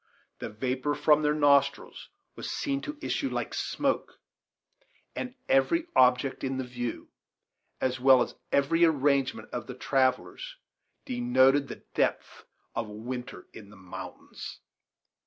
The vapor from their nostrils was seen to issue like smoke; and every object in the view, as well as every arrangement of the travellers, denoted the depth of a winter in the mountains.